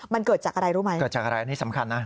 มันเกิดจากอะไรรู้ไหมเกิดจากอะไรนี่สำคัญนะ